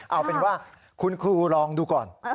เอาเป็นว่าคุณครูลองดูก่อน